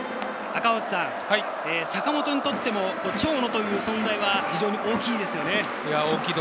坂本にとっても長野という存在は非常に大きいですよね。